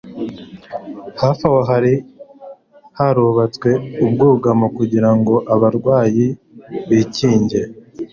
Hafi aho hari harubatswe ubwugamo kugira ngo abarwayi bikinge